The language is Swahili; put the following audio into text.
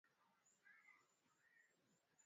walihitaji nchi kutoa ripoti kuhusu mauaji hayo